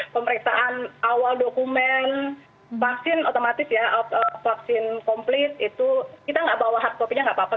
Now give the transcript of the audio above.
pemeriksaan awal dokumen vaksin otomatis ya vaksin komplit itu kita nggak bawa hard copy nya nggak apa apa